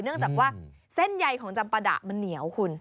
เนื่องจากว่าเส้นใยของจำปะดะมันเหนียวคุณ